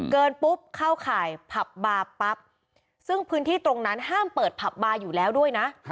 ปุ๊บเข้าข่ายผับบาร์ปั๊บซึ่งพื้นที่ตรงนั้นห้ามเปิดผับบาร์อยู่แล้วด้วยนะ